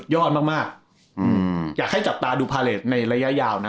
ยอดมากอยากให้จับตาดูพาเลสในระยะยาวนะ